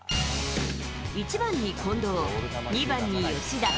１番に近藤、２番に吉田。